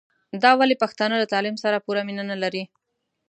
دا ولي پښتانه له تعليم سره پوره مينه نلري